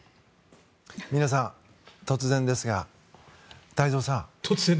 皆さん、突然ですが太蔵さん